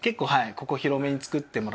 ここ広めに作ってもらって。